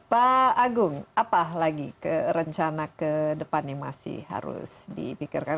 pak agung apa lagi rencana ke depan yang masih harus dipikirkan